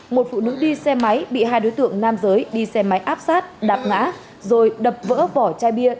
một phụ nữ đi xe máy bị hai đối tượng nam giới đi xe máy áp sát đạp ngã rồi đập vỡ vỏ chai bia